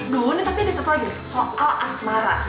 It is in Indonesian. duh tapi ini satu lagi nih soal asmara